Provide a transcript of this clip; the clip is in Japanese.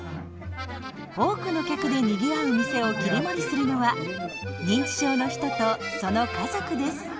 多くの客でにぎわう店を切り盛りするのは認知症の人とその家族です。